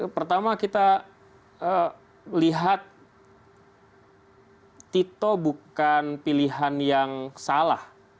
pertama kita lihat tito bukan pilihan yang salah